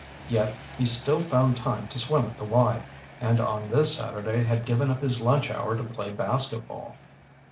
Yet, he still found time to swim at the "Y," and on this Saturday had given up his lunch hour to play basketball.